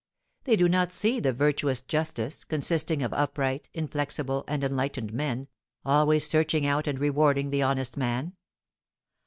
They do not see the virtuous justice, consisting of upright, inflexible, and enlightened men, always searching out and rewarding the honest man.